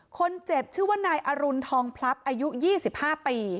คนเจ็บชื่อว่านายอรุณทองพลับอายุ๒๕ปี